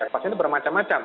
pasien itu bermacam macam